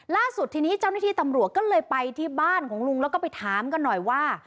ล่าสุดทีนี้เจ้าหน้าที่ตำรวจก็เลยไปที่บ้านของลุงแล้วก็ไปถามกันหน่อยว่า